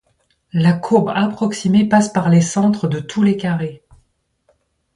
La courbe approximée passe par les centres de tous les carrés.